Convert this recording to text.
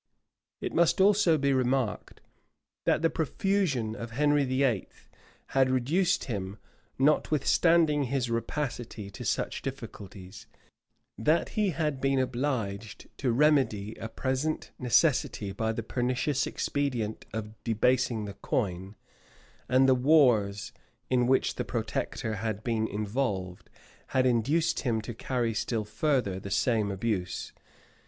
It must also be remarked, that the profusion of Henry VIII. had reduced him, notwithstanding his rapacity, to such difficulties, that he had been obliged to remedy a present necessity by the pernicious expedient of debasing the coin; and the wars in which the protector had been involved, had induced him to carry still further the same abuse.